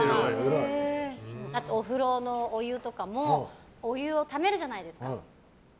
あと、お風呂のお湯とかもお湯をためるじゃないですか。